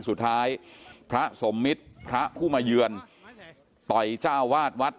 สุดท้ายพระสมมิตรพระผู้มาเยือนต่อยเจ้าวาดวัด